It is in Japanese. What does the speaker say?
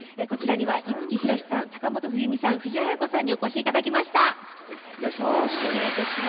こちらには五木ひろしさん坂本冬美さん、藤あや子さんにお越しいただきました。